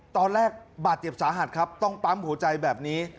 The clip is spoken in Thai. ตอนแรกบาดเจ็บสาหัสครับต้องปั๊มหัวใจแบบนี้